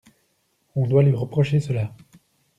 On doit lui reprocher cela.